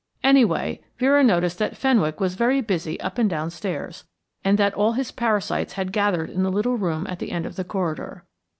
Anyway, Vera noticed that Fenwick was very busy up and downstairs, and that all his parasites had gathered in the little room at the end of the corridor.